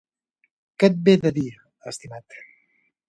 Què et ve de dir, estimat?